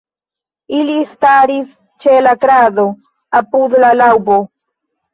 Ili staris ĉe la krado, apud la laŭbo.